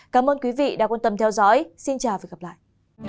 cảm ơn quý vị đã quan tâm theo dõi xin chào và hẹn gặp lại